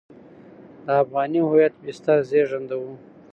د افغاني هویت بستر زېږنده وو.